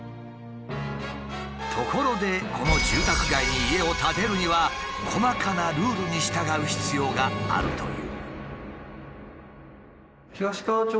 ところでこの住宅街に家を建てるには細かなルールに従う必要があるという。